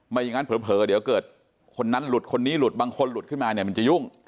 อย่างนั้นเผลอเดี๋ยวเกิดคนนั้นหลุดคนนี้หลุดบางคนหลุดขึ้นมาเนี่ยมันจะยุ่ง